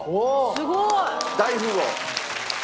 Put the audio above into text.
すごい！大富豪。